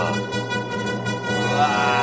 うわ！